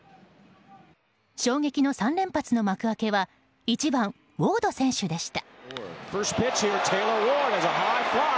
衝撃の３連発の幕開けは１番、ウォード選手でした。